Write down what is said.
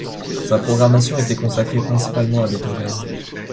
Sa programmation était consacrée principalement à Beethoven.